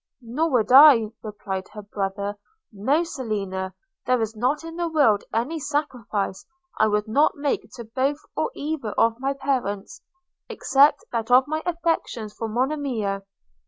'Nor would I,' replied her brother; 'no Selina, there is not in the world any sacrifice I would not make to both or either of my parents, except that of my affections for Monimia.'